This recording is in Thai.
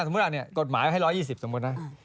สมมุติว่าเนี่ยกฎหมายให้๑๒๐สมมุตินะ